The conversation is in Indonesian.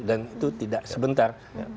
dan itu tidak sebentar